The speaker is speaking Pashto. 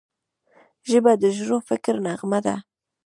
ژبه د ژور فکر نغمه ده